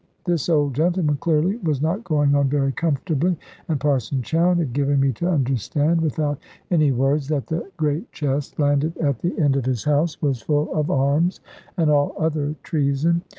This old gentleman clearly was not going on very comfortably; and Parson Chowne had given me to understand, without any words, that the great chest landed at the end of his house, was full of arms and all other treason.